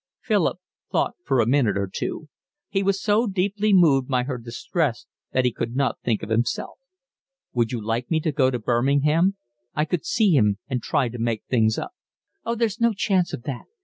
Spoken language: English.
Philip thought for a minute or two. He was so deeply moved by her distress that he could not think of himself. "Would you like me to go to Birmingham? I could see him and try to make things up." "Oh, there's no chance of that.